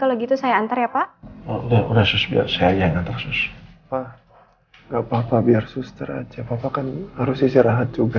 kalau tidak saya mau bekerja